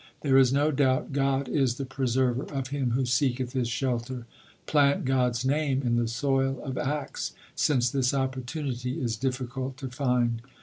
There is no doubt God is the preserver of him who seeketh His shelter. Plant God s name in the soil of acts 3 since this opportunity is difficult to find.